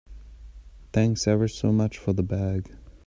Thanks ever so much for the bag.